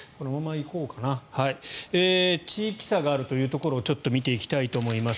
地域差があるというところを見ていきたいと思います。